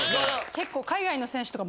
結構。